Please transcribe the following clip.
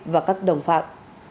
và các đồng phạm